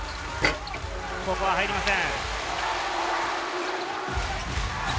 ここは入りません。